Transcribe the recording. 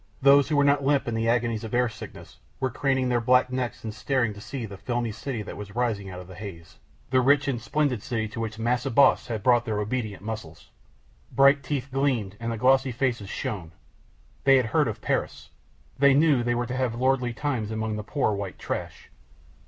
Those who were not limp in the agonies of air sickness, were craning their black necks and staring to see the filmy city that was rising out of the haze, the rich and splendid city to which "Massa Boss" had brought their obedient muscles. Bright teeth gleamed and the glossy faces shone. They had heard of Paris. They knew they were to have lordly times among the poor white trash.